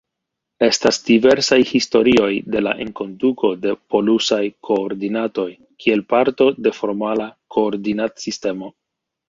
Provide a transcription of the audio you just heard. Estas diversaj historioj de la enkonduko de polusaj koordinatoj kiel parto de formala koordinatsistemo.